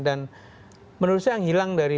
dan menurut saya yang hilang dari